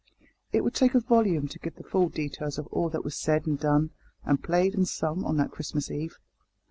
It would take a volume to give the full details of all that was said and done, and played and sung, on that Christmas eve.